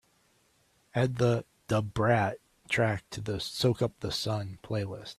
Add the da brat track to the Soak Up The Sun playlist.